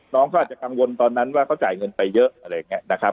น้องเขาอาจจะกังวลตอนนั้นว่าเขาจ่ายเงินไปเยอะอะไรอย่างนี้นะครับ